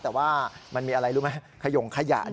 แต่ว่ามันมีอะไรรู้ไหมขยงขยะ